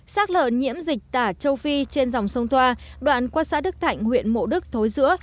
sát lợn nhiễm dịch tả châu phi trên dòng sông thoa đoạn qua xã đức thạnh huyện mộ đức thối giữa